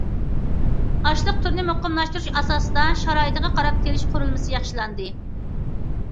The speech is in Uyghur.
ئاشلىق تۈرىنى مۇقىملاشتۇرۇش ئاساسىدا، شارائىتىغا قاراپ تېرىش قۇرۇلمىسى ياخشىلاندى.